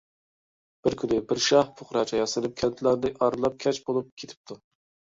بىر كۈنى بىر شاھ پۇقراچە ياسىنىپ كەنتلەرنى ئارىلاپ، كەچ بولۇپ كېتىپتۇ.